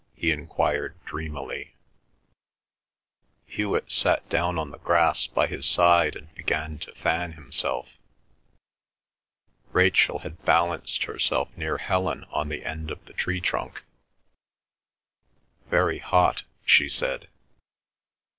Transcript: he enquired dreamily. Hewet sat down on the grass by his side and began to fan himself. Rachel had balanced herself near Helen on the end of the tree trunk. "Very hot," she said.